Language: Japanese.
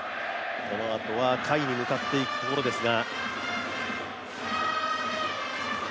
このあとは下位に向かっていくところですが。